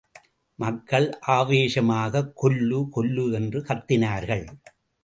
மக்கள் ஆவேசமாகக் கொல்லு, கொல்லு என்று கத்தினார்கள்.